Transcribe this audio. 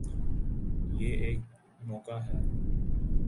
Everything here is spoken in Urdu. یہ ایک موقع ہے۔